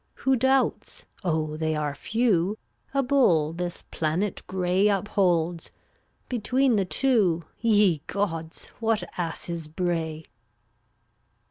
Who doubts (oh, they are few) A bull this planet gray Upholds? Between the two, Ye gods! what asses bray.